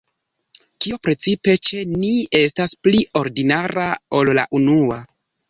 Kio precipe ĉe ni estas pli ordinara ol la unua?